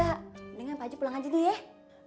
mendingan pak haji pulang aja dulu ya